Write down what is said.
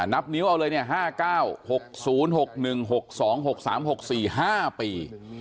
นับนิ้วเอาเลยเนี่ย๕๙๖๐๖๑๖๒๖๓๖๔๕ปี